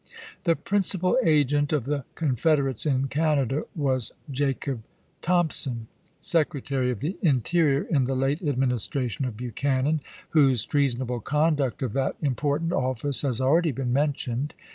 The principal agent of the Confederates in Can ada was Jacob Thompson, Secretary of the In terior in the late Administration of Buchanan, whose treasonable conduct of that important office has already been mentioned.